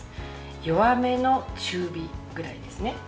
弱めの中火ぐらいですね。